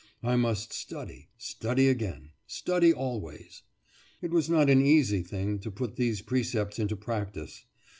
I must study; study again; study always. It was not an easy thing to put these precepts into practice.